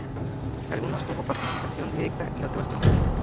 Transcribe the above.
Algunos tuvo participación directa y otros no.